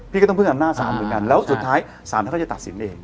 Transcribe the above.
พี่ก็ต้องพึ่งกันหน้าสารเหมือนกันแล้วสุดท้ายสารเขาก็จะตัดสินเอง